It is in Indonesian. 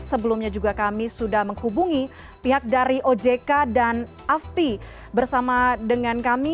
sebelumnya juga kami sudah menghubungi pihak dari ojk dan afpi bersama dengan kami